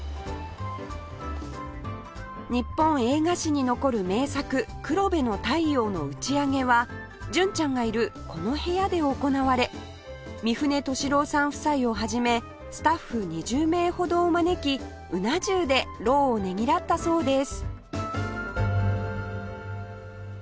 日本映画史に残る名作『黒部の太陽』の打ち上げは純ちゃんがいるこの部屋で行われ三船敏郎さん夫妻を始めスタッフ２０名ほどを招きうな重で労をねぎらったそうです